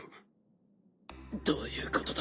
どういうことだ？